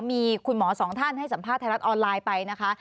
มีคุณหมอสองท่านให้สัมภาษณ์ไทยรัฐออนไลน์ไปนะคะ